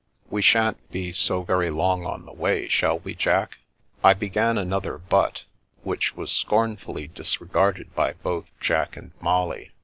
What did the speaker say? We shan't be so very long on the way, shall we, Jack?" I began another " but," which was scornfully dis regarded by both Jack and Molly.